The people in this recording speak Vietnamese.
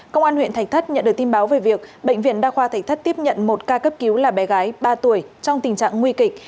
công an huyện thạch thất nhận được tin báo về việc bệnh viện đa khoa thạch thất tiếp nhận một ca cấp cứu là bé gái ba tuổi trong tình trạng nguy kịch